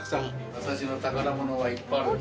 私の宝物がいっぱいあるんです。